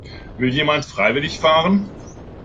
Will jemand freiwillig fahren?